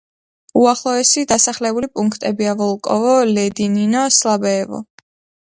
უახლოესი დასახლებული პუნქტებია: ვოლკოვო, ლედინინო, სლაბეევო.